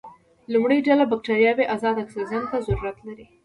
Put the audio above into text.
لومړۍ ډله بکټریاوې ازاد اکسیجن ته ضرورت لري.